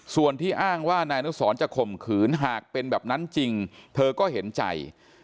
ส่วนที่อ้างว่านายอนุสรจะข่มขืนหากเป็นแบบนั้นจริงเธอก็เห็นใจ